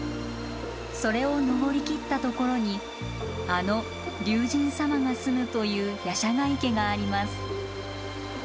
それを登りきったところにあの竜神さまがすむという夜叉ヶ池があります。